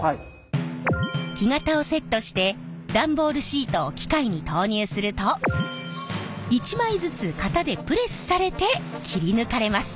木型をセットして段ボールシートを機械に投入すると一枚ずつ型でプレスされて切り抜かれます。